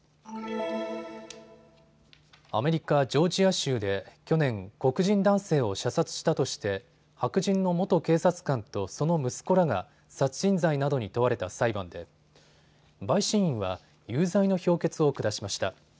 アメリカ・ジョージア州で去年、黒人男性を射殺したとして白人の元警察官とその息子らが殺人罪などに問われた裁判で陪審員は有罪の評決を下しました。